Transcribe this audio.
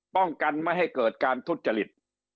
ป้องกันไม่ให้เกิดการทุจริต